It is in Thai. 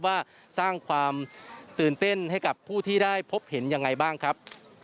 ว่าสร้างความตื่นเต้นให้กับผู้ที่ได้พบเห็นยังไงบ้างครับ